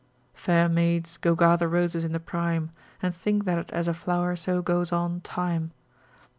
Fair maids, go gather roses in the prime, And think that as a flower so goes on time.